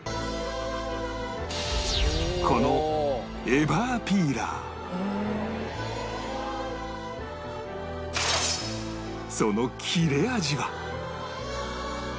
このその切れ味は？